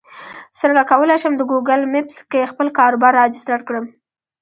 څنګه کولی شم د ګوګل مېپس کې خپل کاروبار راجستر کړم